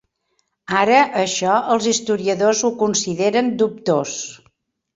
Ara això els historiadors ho consideren dubtós.